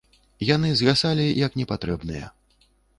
Яны згасалі, як непатрэбныя.